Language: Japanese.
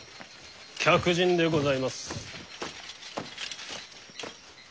客人でございます。